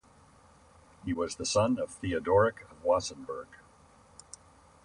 He was the son of Theodoric of Wassenberg.